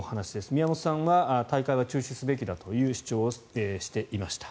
宮本さんは大会を中止すべきだという主張をしていました。